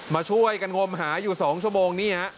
มาช่วยกันงมหาอยู่๒ชั่วโมงนี่ฮะ